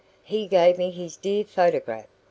He gave me his dear photograph.